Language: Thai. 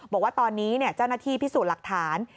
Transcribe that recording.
บอกว่าตอนนี้เจ้าหน้าที่พิสูจน์หลักฐาน